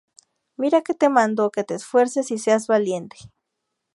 Mira que te mando que te esfuerces y seas valiente